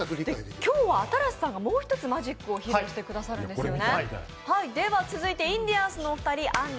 今日は新子さんがもう１つマジックを披露してくださるんですよね。